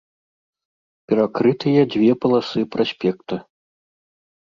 Перакрытыя дзве паласы праспекта.